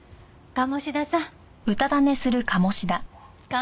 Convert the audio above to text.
鴨志田さん！